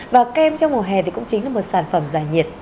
và kem trong mùa hè thì cũng chính là một sản phẩm giải nhiệt